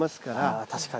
ああ確かに。